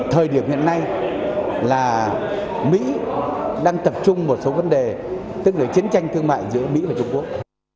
thời điểm hiện nay là mỹ đang tập trung một số vấn đề tức là chiến tranh thương mại giữa mỹ và trung quốc